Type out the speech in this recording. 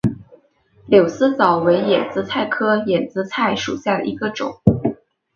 柳丝藻为眼子菜科眼子菜属下的一个种。